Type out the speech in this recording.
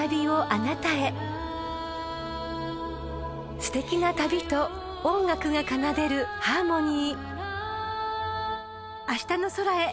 ［すてきな旅と音楽が奏でるハーモニー］